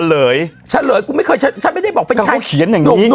ถลยถลยกูไม่เคยฉันไม่ได้บอกเป็นใคร